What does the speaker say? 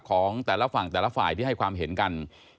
ของแต่ละฝั่งแต่ละฝ่ายที่ให้ความเห็นกัน